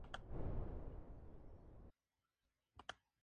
La mayoría de las demás son nativas de Asia, desde el Cáucaso a Japón.